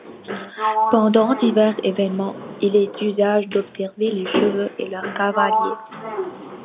Pendant divers événements, il est d'usage d'observer les chevaux et leurs cavaliers.